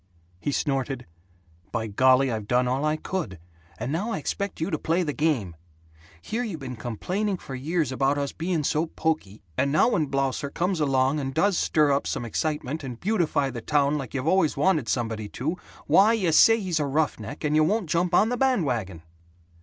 He snorted, "By golly, I've done all I could, and now I expect you to play the game. Here you been complaining for years about us being so poky, and now when Blausser comes along and does stir up excitement and beautify the town like you've always wanted somebody to, why, you say he's a roughneck, and you won't jump on the band wagon."